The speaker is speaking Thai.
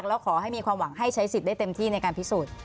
แล้วขอให้มีความหวังให้ใช้สิทธิ์ได้เต็มที่ในการพิสูจน์